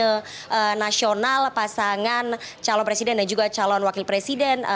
dari tim kampanye nasional pasangan calon presiden dan juga calon wakil presiden